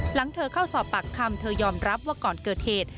หลังเธอเข้าสอบปากคำเธอยอมรับว่าก่อนเกิดเหตุ